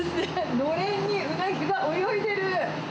のれんにウナギが泳いでる。